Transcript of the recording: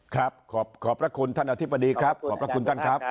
ขอขอบพระคุณท่านอธิบดีครับขอบพระคุณท่านครับ